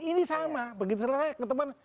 ini sama begitu selesai ke teman